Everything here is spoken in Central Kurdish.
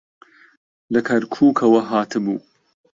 لە کەرکووکەوە هاتبوو.